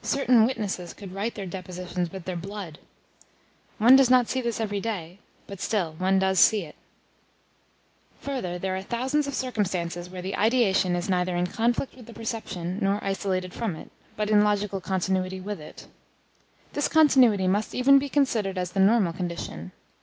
Certain witnesses would write their depositions with their blood. One does not see this every day; but still one does see it. Further, there are thousands of circumstances where the ideation is neither in conflict with the perception nor isolated from it, but in logical continuity with it. This continuity must even be considered as the normal condition.